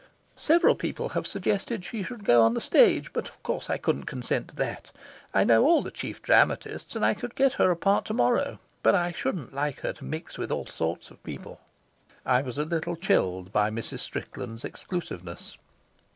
"Several people have suggested that she should go on the stage, but of course I couldn't consent to that, I know all the chief dramatists, and I could get her a part to morrow, but I shouldn't like her to mix with all sorts of people." I was a little chilled by Mrs. Strickland's exclusiveness.